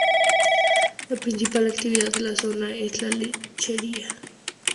La principal actividad de la zona es la lechería.